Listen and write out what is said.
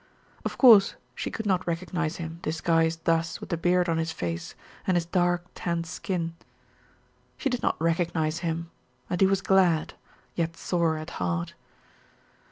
Of course she could not recognize him disguised thus with the beard on his face, and his dark, tanned skin. She did not recognize him, and he was glad, yet sore at heart.